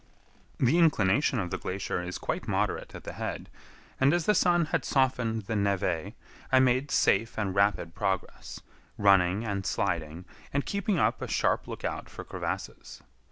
The inclination of the glacier is quite moderate at the head, and, as the sun had softened the névé, I made safe and rapid progress, running and sliding, and keeping up a sharp outlook for crevasses.